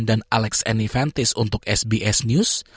dan alex enifantis untuk sbs news